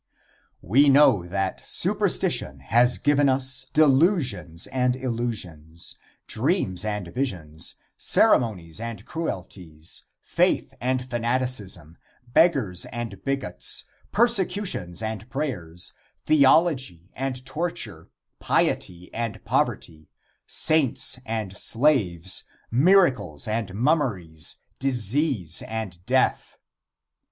We know that superstition has given us delusions and illusions, dreams and visions, ceremonies and cruelties, faith and fanaticism, beggars and bigots, persecutions and prayers, theology and torture, piety and poverty, saints and slaves, miracles and mummeries, disease and death.